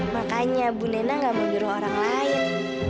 makanya bu nena nggak mau juru orang lain